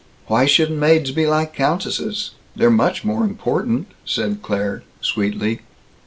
"Why shouldn't maids be like countesses? They're much more important," said Claire sweetly.